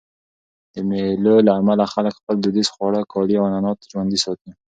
د مېلو له امله خلک خپل دودیز خواړه، کالي او عنعنات ژوندي ساتي.